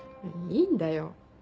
いいんだよ。